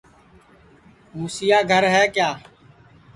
موسیا گھر ہے کیا